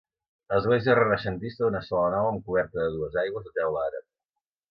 Església renaixentista d'una sola nau amb coberta de dues aigües, de teula àrab.